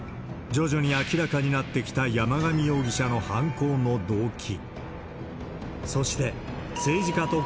徐々に明らかになってきた、山上容疑者の犯行の動機。